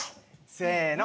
せの。